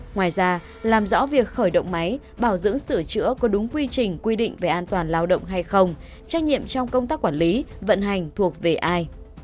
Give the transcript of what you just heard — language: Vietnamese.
ngoài ra làm rõ việc khởi động máy bảo dưỡng sửa chữa có đúng quy trình quy định về an toàn lao động hay không trách nhiệm trong công tác quản lý vận hành thuộc về ai